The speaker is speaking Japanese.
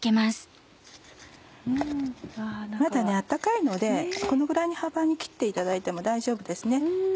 まだ温かいのでこのぐらいの幅に切っていただいても大丈夫です。